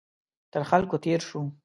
تر خلکو تېر شو.